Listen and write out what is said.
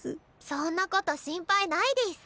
そんなこと心配ないデス！